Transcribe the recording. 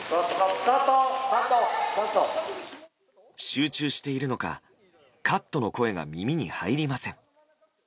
集中しているのかカットの声が耳に入りません。